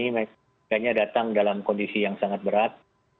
tiga nya datang dalam kondisi yang sangat berat